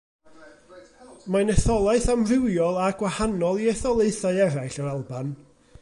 Mae'n etholaeth amrywiol a gwahanol i etholaethau eraill yr Alban.